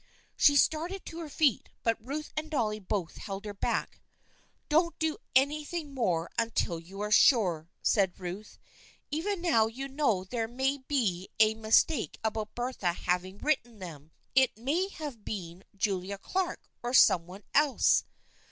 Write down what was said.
She started to her feet, but Ruth and Dolly both held her back. " Don't do anything more until you are sure," said Ruth. " Even now you know there may be a mistake about Bertha having written them. It may have been Julia Clark or some one else."